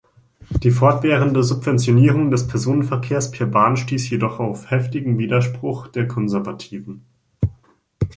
Die fortwährende Subventionierung des Personenverkehrs per Bahn stieß jedoch auf heftigen Widerspruch der Konservativen.